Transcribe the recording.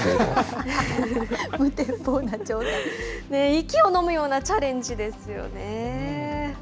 息をのむようなチャレンジですよね。